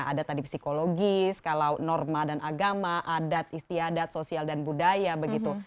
ada tadi psikologis kalau norma dan agama adat istiadat sosial dan budaya begitu